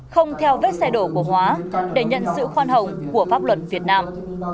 không theo vết xe đổ của hóa để nhận sự khoan hồng của pháp luật việt nam